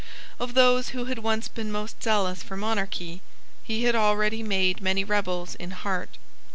Of those who had once been most zealous for monarchy, he had already made many rebels in heart.